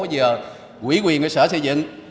giờ quỹ quyền của sở xây dựng